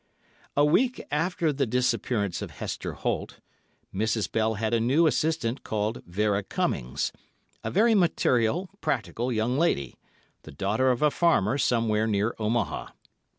A week after the disappearance of Hester Holt, Mrs. Bell had a new assistant called Vera Cummings, a very material, practical young lady, the daughter of a farmer somewhere near Omaha.